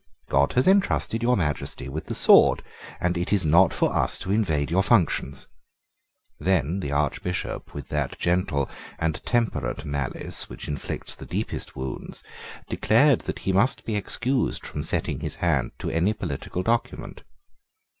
God has entrusted your Majesty with the sword: and it is not for us to invade your functions." Then the Archbishop, with that gentle and temperate malice which inflicts the deepest wounds, declared that he must be excused from setting his hand to any political document.